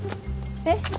えっ？